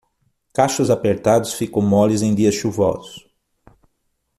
Cachos apertados ficam moles em dias chuvosos.